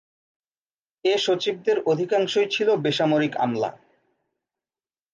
এ সচিবদের অধিকাংশই ছিল বেসামরিক আমলা।